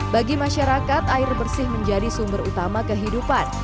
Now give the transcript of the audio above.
bagi masyarakat air bersih menjadi sumber utama kehidupan